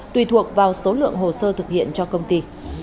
tùy thuộc vào số lượng hồ sơ thực hiện cho công ty